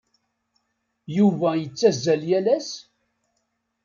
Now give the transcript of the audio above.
Yuba yettazzal yal ass?